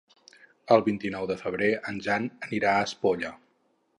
El vint-i-nou de febrer en Jan anirà a Espolla.